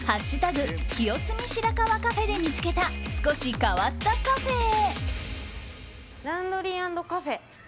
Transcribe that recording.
清澄白河カフェ」で見つけた少し変わったカフェへ。